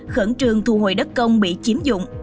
khẩn trương thu hồi đất công bị chiếm dụng